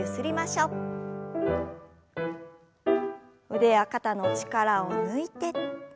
腕や肩の力を抜いて。